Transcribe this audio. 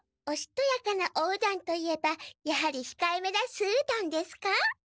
おしとやかなおうどんといえばやはりひかえめな「素うどん」ですか？